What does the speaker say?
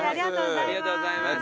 ありがとうございます。